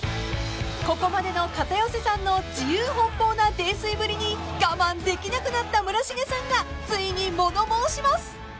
［ここまでの片寄さんの自由奔放な泥酔ぶりに我慢できなくなった村重さんがついにもの申します］